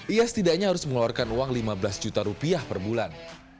ia setidaknya harus mengeluarkan uang lima belas juta rupiah per bulan